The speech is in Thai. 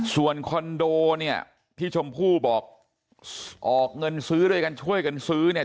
ส่วนคอนโดเนี่ยที่ชมพู่บอกออกเงินซื้อด้วยกันช่วยกันซื้อเนี่ย